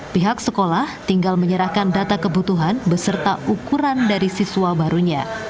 pihak sekolah tinggal menyerahkan data kebutuhan beserta ukuran dari siswa barunya